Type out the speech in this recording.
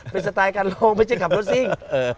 เป็นสไตล์การลงไม่ใช่ขับรถซิ่ง